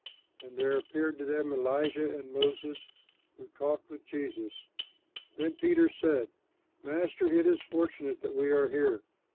And there appeared to them Elijah and Moses, who talked with Jesus. Then Peter said, "Master, it is fortunate that we are here.